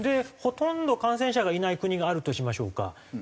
ほとんど感染者がいない国があるとしましょうか。